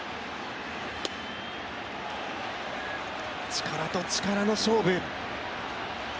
力と力の勝負。